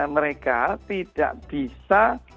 mereka tidak bisa